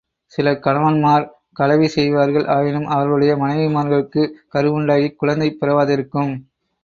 சில கணவன்மார் கலவி செய்வார்கள், ஆயினும் அவர்களுடைய மனைவிமார்க்குக் கருவுண்டாகிக் குழந்தை பிறவாதிருக்கும்.